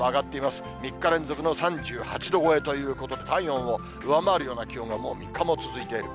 ３日連続の３８度超えということで、体温を上回るような気温がもう３日も続いている。